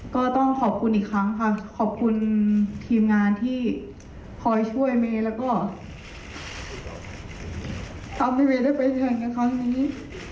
ก็ต้องขอบคุณอีกครั้งค่ะขอบคุณทีมงานที่คอยช่วยเมย์แล้วก็ทำให้เมย์ได้ไปแทงกันครั้งนี้